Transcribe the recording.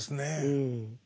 うん。